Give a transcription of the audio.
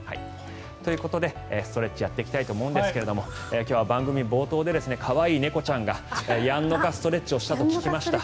ということで、ストレッチをやっていきたいと思うんですが今日は番組冒頭で可愛い猫ちゃんがやんのかストレッチをしたと聞きました。